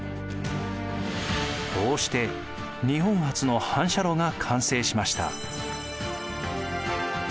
こうして日本初の反射炉が完成しました。